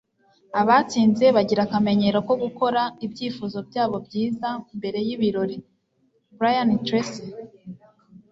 abatsinze bagira akamenyero ko gukora ibyifuzo byabo byiza mbere y'ibirori. - brian tracy